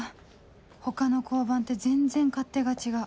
他の交番って全然勝手が違う